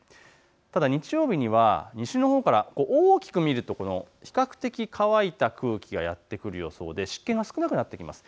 ただ日曜日には西のほうから大きく見ると比較的、乾いた空気がやって来る予想で湿気が少なくなってきます。